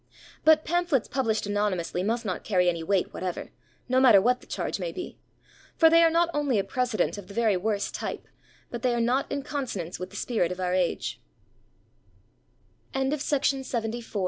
But pamphlets published anonymously must not carry any weight whatever, no matter what the charge may be, for they are not only a precedent of the very worst type, but they are not in consonance with the spirit of o